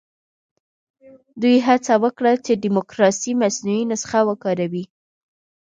دوی هڅه وکړه چې د ډیموکراسۍ مصنوعي نسخه وکاروي.